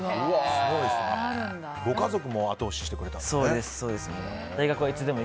ご家族も後押ししてくれたんですね。